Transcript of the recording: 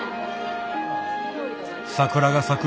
桜が咲く